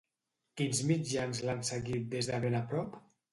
Quins mitjans l'ha seguit des de ben a prop?